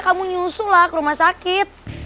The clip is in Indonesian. kamu nyusul lah ke rumah sakit